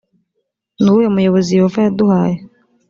ni uwuhe muyobozi yehova yaduhaye